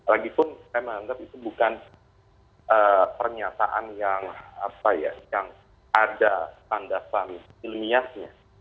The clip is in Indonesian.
lagipun saya menganggap itu bukan pernyataan yang ada tandasan ilmiahnya